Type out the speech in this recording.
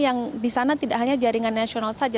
yang di sana tidak hanya jaringan nasional saja